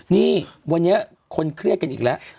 นี่วันนี้คนเครียดกันอีกแล้ว